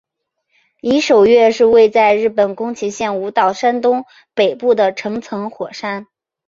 夷守岳是位在日本宫崎县雾岛山东北部的成层火山。